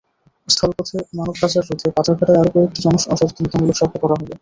স্থলপথে মানব পাচার রোধে পাথরঘাটায় আরও কয়েকটি জনসচেতনতামূলক সভা করা হবে।